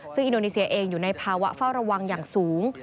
ซึ่งอินโดนีเซียเองอยู่ในภาวะเฝ้าระวังอย่างสูง